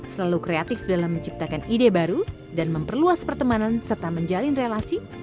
selalu kreatif dalam menciptakan ide baru dan memperluas pertemanan serta menjalin relasi